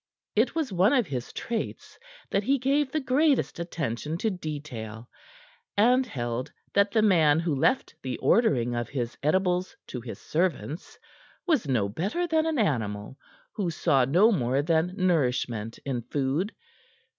It was one of his traits that he gave the greatest attention to detail, and held that the man who left the ordering of his edibles to his servants was no better than an animal who saw no more than nourishment in food.